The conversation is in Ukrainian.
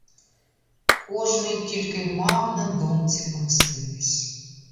Кожний тільки й мав на думці помститись.